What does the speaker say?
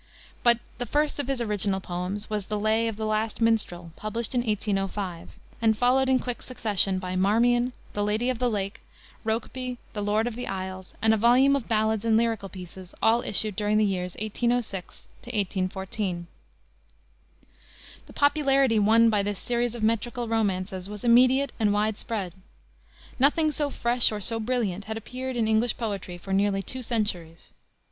But the first of his original poems was the Lay of the Last Minstrel, published in 1805, and followed, in quick succession, by Marmion, the Lady of the Lake, Rokeby, the Lord of the Isles, and a volume of ballads and lyrical pieces, all issued during the years 1806 1814. The popularity won by this series of metrical romances was immediate and wide spread. Nothing so fresh, or so brilliant, had appeared in English poetry for nearly two centuries.